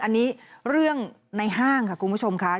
อันนี้เรื่องในห้างค่ะคุณผู้ชมค่ะ